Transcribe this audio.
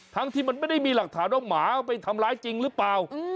ทั้งที่มันไม่ได้มีหลักฐานว่าหมาไปทำร้ายจริงหรือเปล่า